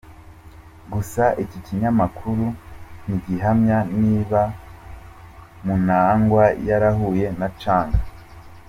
Gusa iki kinyamakuru ntigihamya niba Mnangagwa yarahuye na Chang.